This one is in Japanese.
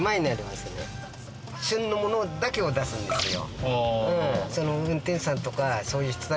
旬のものだけを出すんですよ。